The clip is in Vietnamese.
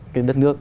cái đất nước